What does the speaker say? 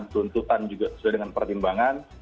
dan tuntutan juga sudah dengan pertimbangan